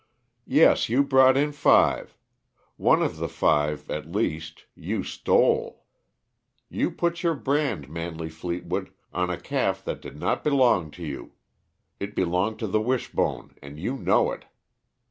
"Yes, you brought in five. One of the five, at least, you stole. You put your brand, Manley Fleetwood, on a calf that did not belong to you; it belonged to the Wishbone, and you know it.